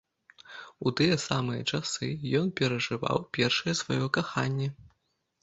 У тыя самыя часы ён перажываў першае сваё каханне.